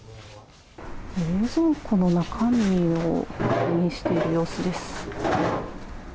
冷蔵庫の中身を確認している様子です。